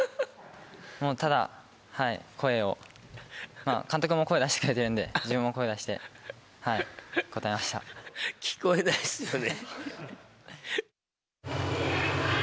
もうただ、声を、監督も声出してくれてるんで、聞こえないっすよね。